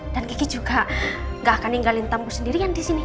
dan gigi juga gak akan ninggalin tamu sendirian di sini